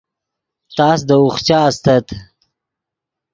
تس دے اوخچا استت